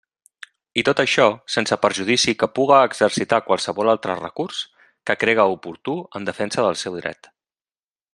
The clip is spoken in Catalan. I tot això sense perjudici que puga exercitar qualsevol altre recurs que crega oportú en defensa del seu dret.